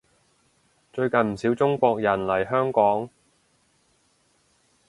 最近唔少中國人嚟香港